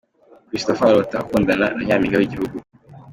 Christopher arota akundana na Nyampinga w'igihugu.